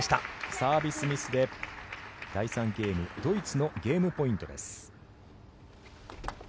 サービスミスで第３ゲームドイツのゲームポイントです。